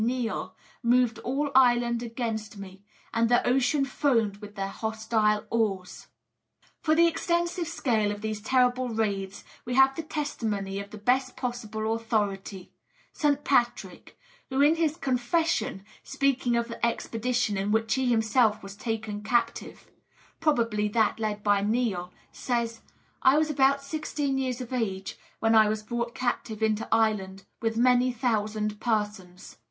_, Niall] moved all Ireland against me, and the ocean foamed with their hostile oars." For the extensive scale of these terrible raids we have the testimony of the best possible authority St. Patrick who, in his "Confession," speaking of the expedition in which he himself was taken captive (probably that led by Niall), says: "I was about sixteen years of age, when I was brought captive into Ireland with many thousand persons."